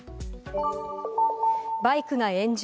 バイクが炎上。